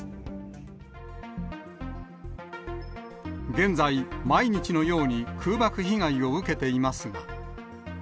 現在、毎日のように空爆被害を受けていますが。